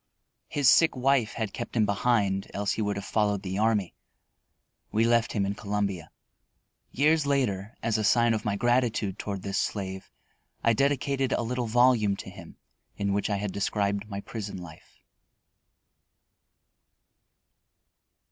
His sick wife had kept him behind, else he would have followed the army. We left him in Columbia. Years later, as a sign of my gratitude toward this slave, I dedicated a little volume to him, in which I had described my prison life.